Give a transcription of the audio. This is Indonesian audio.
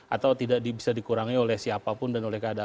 atau tidak bisa dikurangi oleh siapapun dan oleh keadaan